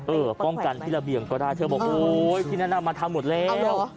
เออป้องกันที่ระเบียงก็ได้เค้าบอกโอ้ยที่แนะนำมาทำหมดแล้ว